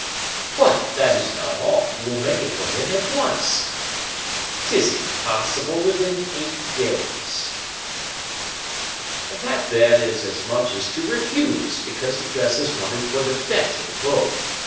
"But that is not all; you will make it for him at once." "'Tis impossible within eight days." "That, then, is as much as to refuse, because the dress is wanted for the fete at Vaux."